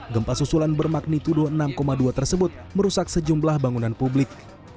gempa susulan bermagnitudo enam dua tersebut merusak sejumlah bangunan publik